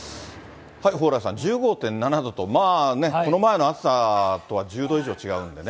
蓬莱さん、１５．７度と、この前の暑さとは１０度以上違うんでね。